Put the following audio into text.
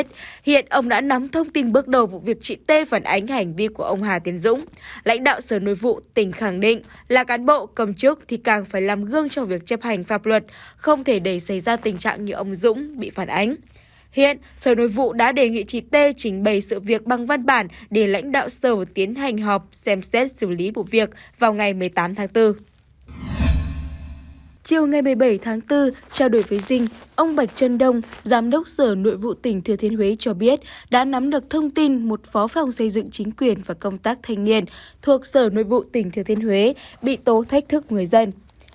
chiều ngày một mươi bảy tháng bốn trao đổi với dinh ông bạch trân đông giám đốc sở nội vụ tỉnh thừa thiên huế cho biết đã nắm được thông tin một phó phòng xây dựng chính quyền và công tác thanh niên thuộc sở nội vụ tỉnh thừa thiên huế bị tố thách thức người dân